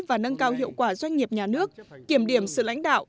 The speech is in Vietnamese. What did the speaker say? và nâng cao hiệu quả doanh nghiệp nhà nước kiểm điểm sự lãnh đạo